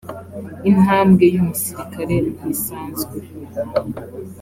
intambwe yumusirikare ntisanzwe.